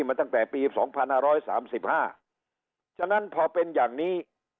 มาตั้งแต่ปีสองพันห้าร้อยสามสิบห้าฉะนั้นพอเป็นอย่างนี้